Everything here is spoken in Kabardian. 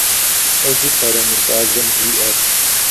Пэжу пӀэрэ мы щӏалэм жиӀэр?